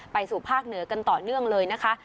ไปสู่ภาคเหนือกันต่อเนื่องเลยนะคะ